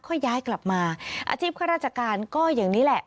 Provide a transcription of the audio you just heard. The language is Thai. ค่อยย้ายกลับมาอาชีพข้าราชการก็อย่างนี้แหละ